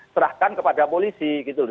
serahkan kepada polisi gitu